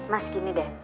mas gini deh